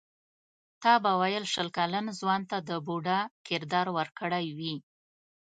تا به ویل شل کلن ځوان ته د بوډا کردار ورکړی وي.